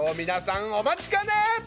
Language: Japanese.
皆さんお待ちかね！